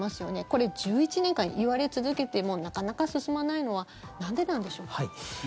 これ、１１年間言われ続けてもなかなか進まないのはなんでなんでしょう。